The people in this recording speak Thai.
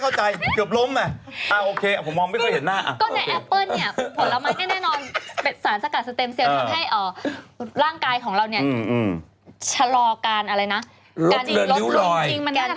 ก็ได้ทำให้ที่ที่เราก็ขาวด้วย